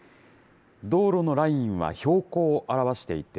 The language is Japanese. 道路のラインは標高を表していて、